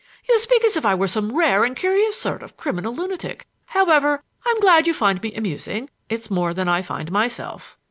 "You speak as if I were some rare and curious sort of criminal lunatic. However, I'm glad you find me amusing. It's more than I find myself."